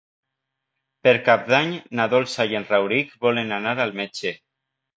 Per Cap d'Any na Dolça i en Rauric volen anar al metge.